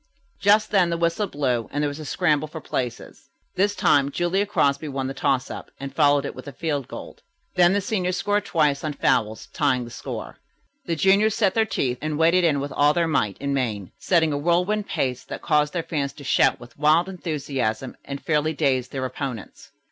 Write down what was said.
Just then the whistle blew, and there was a scramble for places. This time Julia Crosby won the toss up, and followed it up with a field goal. Then the seniors scored twice on fouls, tying the score. The juniors set their teeth and waded in with all their might and main, setting a whirlwind pace that caused their fans to shout with wild enthusiasm and fairly dazed their opponents.